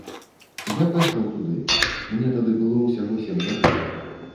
Я пайшоў туды, мне тады было ўсяго сем гадоў.